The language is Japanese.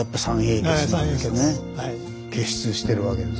傑出してるわけです。